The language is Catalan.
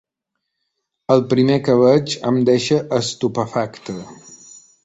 El primer que veig em deixa estupefacte.